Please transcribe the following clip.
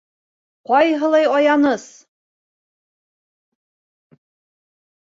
Ҡайһылай аяныс!